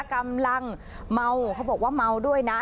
กำลังเมาเขาบอกว่าเมาด้วยนะ